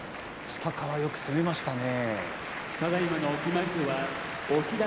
下からよく攻めましたね。